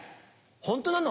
ホントなの？